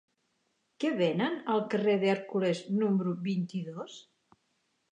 Què venen al carrer d'Hèrcules número vint-i-dos?